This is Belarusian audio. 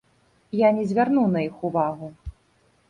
Я не звярнуў на іх увагу.